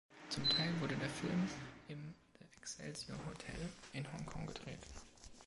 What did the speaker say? Zum Teil wurde der Film im The Excelsior Hotel in Hongkong gedreht.